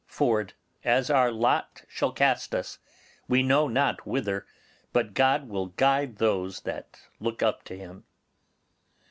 Ford. As our lot shall cast us; we know not whither, but God will guide those that look up to Him.